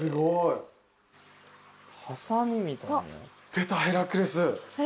出たヘラクレス。